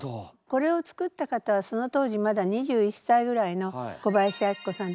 これを作った方はその当時まだ２１さいぐらいの小林明子さん。